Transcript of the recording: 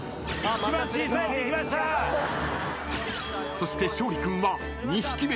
［そして勝利君は］